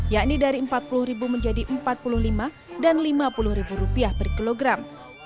yakni dari rp empat puluh menjadi rp empat puluh lima dan rp lima puluh per kilogram